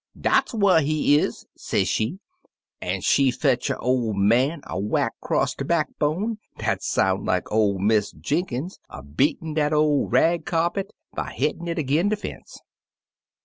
*Dat's whar he is,' se' she, an* she fetch her ol* man a whack 'cross de backbone, dat soun' like oY Miss Jenkins a beatin* dat ol* rag kyarpit by hit tin' it ag'in de fence.